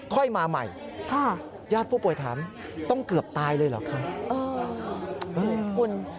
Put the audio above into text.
ค่อยมาใหม่ญาติผู้ป่วยถามต้องเกือบตายเลยเหรอครับ